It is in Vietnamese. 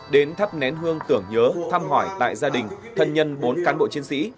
đến thắp nén hương tưởng nhớ thăm hỏi tại gia đình thân nhân bốn cán bộ chiến sĩ